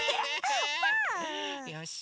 よし！